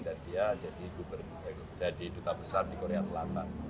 dan dia jadi duta besar di korea selatan